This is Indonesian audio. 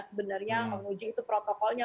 sebenarnya menguji itu protokolnya